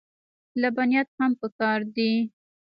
لبنیات هم پکار دي.